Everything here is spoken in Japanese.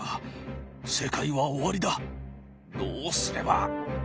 どうすれば。